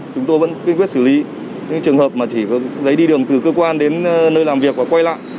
chúng tôi vẫn quy quyết xử lý những trường hợp mà chỉ có giấy đi đường từ cơ quan đến nơi làm việc và quay lại